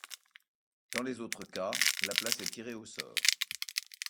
Dans les autres cas, la place est tirée au sort.